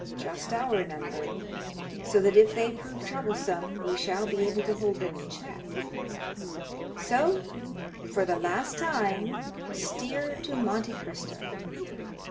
"Just our number, so that if they prove troublesome, we shall be able to hold them in check; so, for the last time, steer to Monte Cristo."